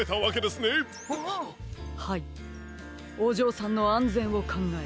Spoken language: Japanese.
はいおじょうさんのあんぜんをかんがえ